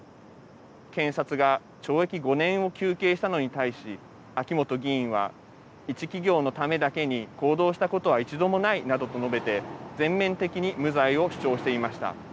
検察が懲役５年を求刑したのに対し秋元議員は一企業のためだけに行動したことは一度もないなどと述べて全面的に無罪を主張していました。